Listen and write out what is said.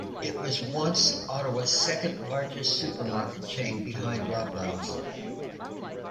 It was once Ottawa's second-largest supermarket chain behind Loblaws.